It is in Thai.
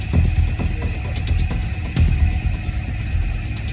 เพราะว่าเมืองนี้จะเป็นที่สุดท้าย